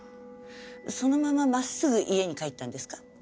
そのまままっすぐ家に帰ったんですか？